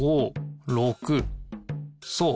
そう。